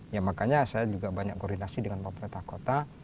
ya makanya saya juga banyak koordinasi dengan pemerintah kota